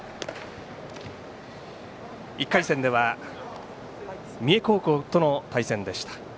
１回戦では三重高校との対戦でした。